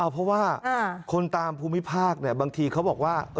เพราะว่าคนตามภูมิภาคบางทีเขาบอกว่า